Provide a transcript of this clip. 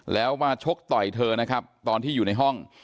แล้วมาชกต่อยเธอนะครับตอนที่อยู่ในห้อง